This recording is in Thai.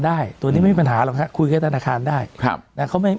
ตัวนี้ไม่มีปัญหาหรอกฮะคุยกับธนาคารได้ครับนะเขาไม่